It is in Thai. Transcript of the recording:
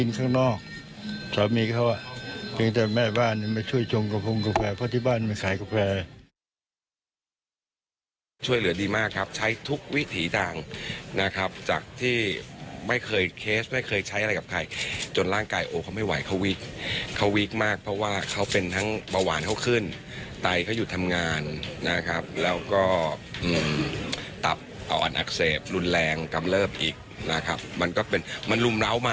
ตอนนี้เราไปฟังเสียงสัมภาษณ์คุณพ่อกับนีโน่หน่อยนะคะ